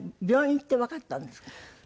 病院行ってわかったんですか？